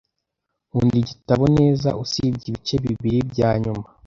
Nkunda igitabo neza usibye ibice bibiri byanyuma.